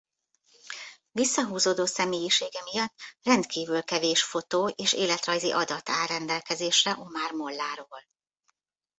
Visszahúzódó személyisége miatt rendkívül kevés fotó és életrajzi adat áll rendelkezésre Omár molláról.